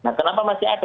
nah kenapa masih ada